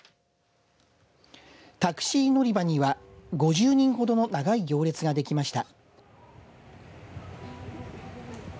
タクシー乗り場には５０人ほどの長い行列ができました。